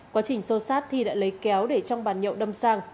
quá trình xô sát thi đã lấy kéo để trong bàn nhậu đâm sang